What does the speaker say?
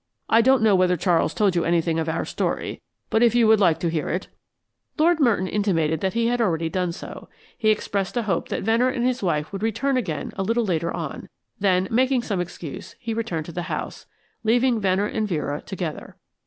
I don't know whether Charles told you anything of our story, but if you would like to hear it " Lord Merton intimated that he had already done so. He expressed a hope that Venner and his wife would return again a little later on; then, making some excuse, he returned to the house, leaving Venner and Vera together.